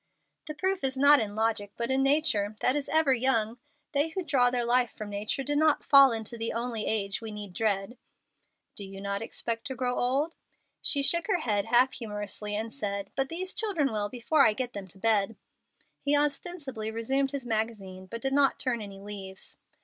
"The proof is not in logic but in nature, that is ever young. They who draw their life from nature do not fall into the only age we need dread." "Do you not expect to grow old?" She shook her head half humorously and said, "But these children will before I get them to bed." He ostensibly resumed his magazine, but did not turn any leaves.